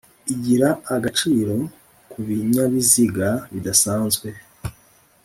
igira agaciro kubinyabiziga budasanzwe